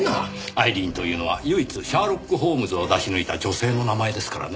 アイリーンというのは唯一シャーロック・ホームズを出し抜いた女性の名前ですからね。